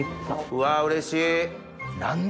うわうれしい何だ